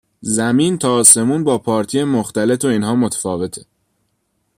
زمین تا آسمون با پارتی مختلط و اینها متفاوت است.